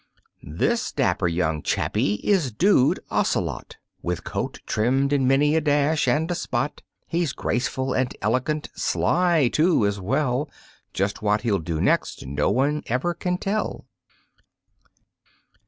This dapper young chappy is Dude Ocelot, With coat trimmed in many a dash and a spot; He's graceful and elegant, sly, too, as well, Just what he'll do next no one ever can tell.